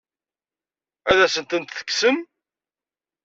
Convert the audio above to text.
Ad asent-tent-tekksem?